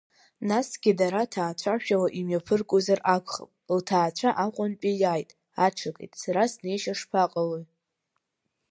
Насгьы дара ҭаацәашәала имҩаԥыргозар акәхап, лҭаацәа Аҟәантәи иааит, аҽакит, сара снеишьа шԥаҟалои?